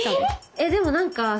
えっでも何かうん。